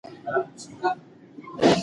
پر دغه لاره كه بلا ويـنمه